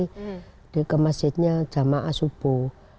jadi ke masjidnya jamaah subuh